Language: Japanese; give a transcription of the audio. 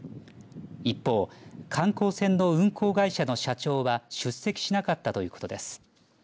一方、観光船の運航会社の社長は出席しなかったということです。